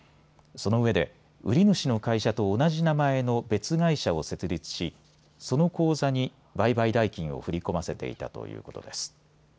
そのうえで売り主の会社と同じ名前の別会社を設立しその口座に売買代金を振り込ませていたということです。